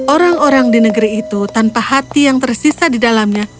orang orang di negeri itu tanpa hati yang tersisa di dalamnya